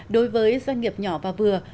đối với doanh nghiệp nhỏ và vừa